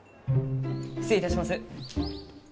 失礼いたします。